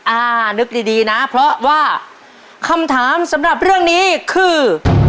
อ่านึกดีดีนะเพราะว่าคำถามสำหรับเรื่องนี้คือ